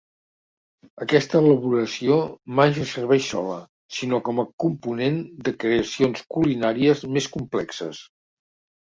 Aquesta elaboració mai se serveix sola, sinó com a component de creacions culinàries més complexes.